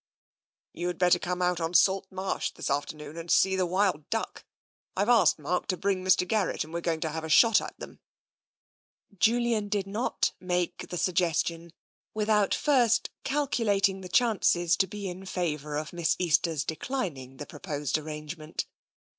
You'd better come out on Salt Marsh this after noon and see the wild duck. I've asked Mark to bring Mr. Garrett and we're going to have a shot at them." Julian did not make the suggestion without first I02 TENSION calculating the chances to be in favour of Miss Easter's declining the proposed arrangement.